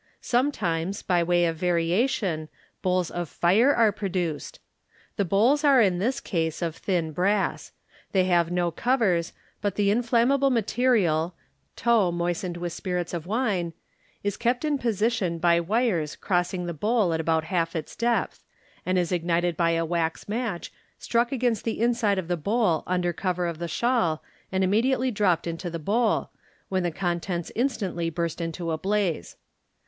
Sometimes, by way of variation, bowls of fire are produced. Tht bowls are in this case of thin brass. They have no covers, but the inflammable material (tow moistened with spirits of wine) is kept in position by wires crossing the bowl at about half its depth, and is ignited by a wax match, struck against the inside of the bowl under 372 MODERN MA GIC. cover of the shawl and immediately dropped into the bowl, when the contents instantly burst into a blaze.